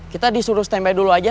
kita disuruh stand by dulu aja